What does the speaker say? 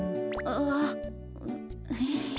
ああ。